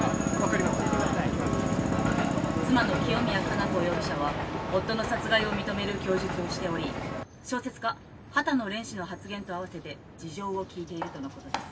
妻の清宮加奈子容疑者は夫の殺害を認める供述をしており小説家秦野廉氏の発言と併せて事情を聴いているとのことです。